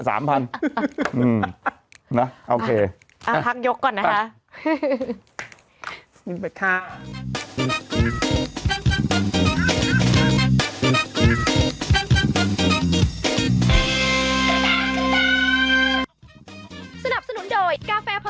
อืมนะโอเคเอาพักยกก่อนนะฮะ